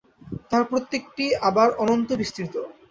তাহার প্রত্যেকটি আবার অনন্ত বিস্তৃত।